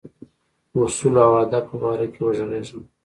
اصولو او اهدافو په باره کې وږغېږم.